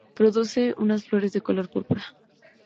Produce unas flores de color púrpura.